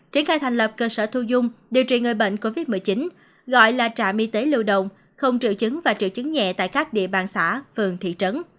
triển khai thành lập cơ sở thu dung điều trị người bệnh covid một mươi chín gọi là trạm y tế lưu động không triệu chứng và triệu chứng nhẹ tại các địa bàn xã phường thị trấn